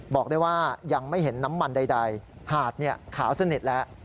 บอกได้ว่ายังไม่เห็นน้ำมันใดหาดขาวสนิทแล้ว